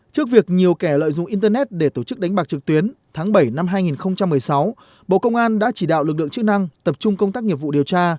trước việc nhiều kẻ lợi dụng internet để tổ chức đánh bạc trực tuyến tháng bảy năm hai nghìn một mươi sáu bộ công an đã chỉ đạo lực lượng chức năng tập trung công tác nghiệp vụ điều tra